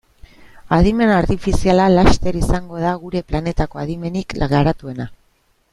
Adimen artifiziala laster izango da gure planetako adimenik garatuena.